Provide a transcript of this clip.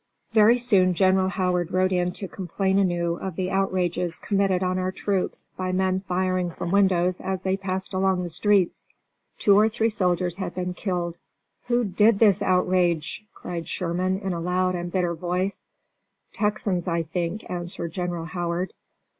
Very soon General Howard rode in to complain anew of the outrages committed on our troops by men firing from windows as they passed along the streets. Two or three soldiers had been killed. "Who did this outrage?" cried Sherman, in a loud and bitter voice, "Texans, I think," answered General Howard.